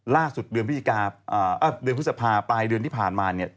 เดือนพฤษภาปลายเดือนที่ผ่านมาเนี่ย